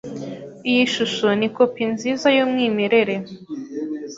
Iyi shusho ni kopi nziza yumwimerere.